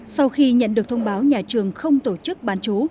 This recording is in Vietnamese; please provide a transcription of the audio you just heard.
sau khi nhận được thông báo nhà trường không tổ chức bán chú